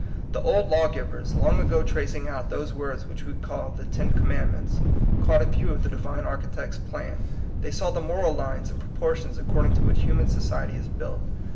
The old law givers, long ago tra cing out those words which we call the Ten Commandments, caught a view of the Divine Architect's plan. They saw the moral lines and proportions accord ing to which human society is built.